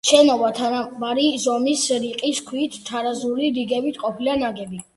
შენობა თანაბარი ზომის რიყის ქვის თარაზული რიგებით ყოფილა ნაგები.